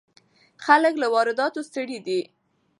خلک له وارداتو ستړي دي.